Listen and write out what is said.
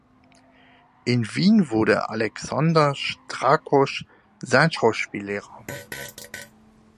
In Wien wurde Alexander Strakosch sein Schauspiellehrer.